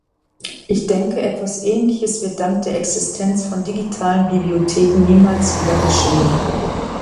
Ich denke, etwas Ähnliches wird dank der Existenz von digitalen Bibliotheken niemals wieder geschehen.